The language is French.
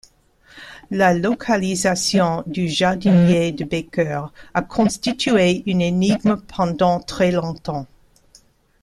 La localisation du jardinier de Baker a constitué une énigme pendant très longtemps.